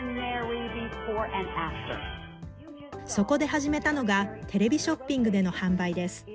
そこで始めたのが、テレビショッピングでの販売です。